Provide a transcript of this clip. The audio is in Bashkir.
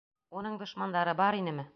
Уның дошмандары бар инеме?